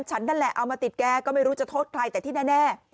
นั่นแหละเอามาติดแกก็ไม่รู้จะโทษใครแต่ที่แน่